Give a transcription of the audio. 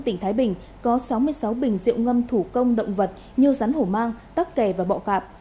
tỉnh thái bình có sáu mươi sáu bình rượu ngâm thủ công động vật như rắn hổ mang tắc kè và bọ cạm